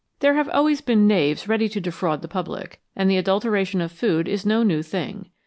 There have always been knaves ready to defraud the public, and the adulteration of food is no new thing.